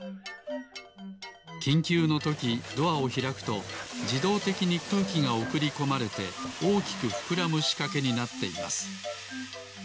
きんきゅうのときドアをひらくとじどうてきにくうきがおくりこまれておおきくふくらむしかけになっています。